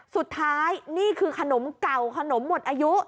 นี่คือขนมเก่าขนมหมดอายุ